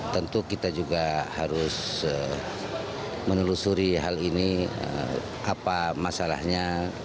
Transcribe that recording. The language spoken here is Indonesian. tentu kita juga harus menelusuri hal ini apa masalahnya